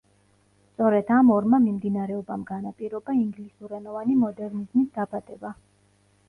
სწორედ ამ ორმა მიმდინარეობამ განაპირობა ინგლისურენოვანი მოდერნიზმის დაბადება.